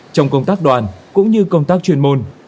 trong công tác đoàn cũng như công tác chuyên môn